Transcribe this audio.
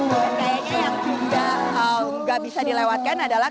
dan kayaknya yang gak bisa dilewatkan adalah